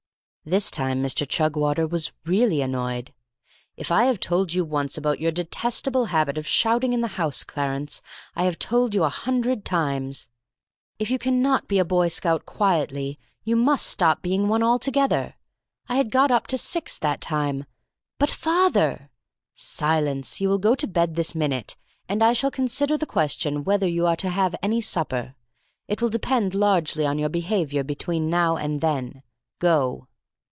This time Mr. Chugwater was really annoyed. "If I have told you once about your detestable habit of shouting in the house, Clarence, I have told you a hundred times. If you cannot be a Boy Scout quietly, you must stop being one altogether. I had got up to six that time." "But, father " "Silence! You will go to bed this minute; and I shall consider the question whether you are to have any supper. It will depend largely on your behaviour between now and then. Go!"